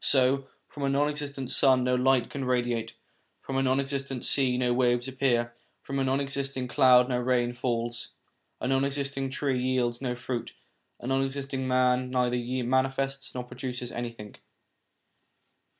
So, from a non existing sun no light can radiate, from a non existing sea no waves appear, from a non existing cloud no rain falls; a non existing tree yields no fruit; a non existing man neither manifests nor produces anything.